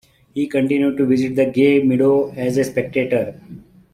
He continued to visit the Gay Meadow as a spectator.